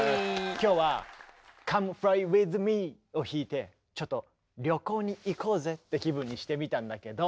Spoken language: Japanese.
今日は「ＣｏｍｅＦｌｙＷｉｔｈＭｅ」を弾いてちょっと旅行に行こうぜって気分にしてみたんだけど。